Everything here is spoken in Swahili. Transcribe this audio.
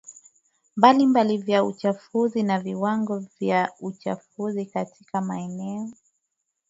mbalimbali vya uchafuzi na viwango vya uchafuzi katika maeneo